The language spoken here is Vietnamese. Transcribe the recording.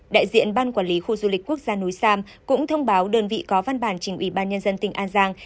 đại diện ban quản lý khu du lịch quốc gia núi sam cũng thông báo đơn vị có văn bản trình ủy ban nhân dân tỉnh an giang